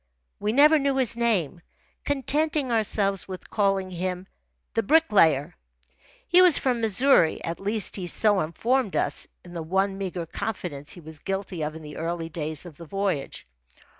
We never knew his name, contenting ourselves with calling him the "Bricklayer." He was from Missouri at least he so informed us in the one meagre confidence he was guilty of in the early days of the voyage.